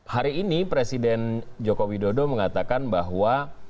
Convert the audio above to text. hari ini presiden joko widodo mengatakan bahwa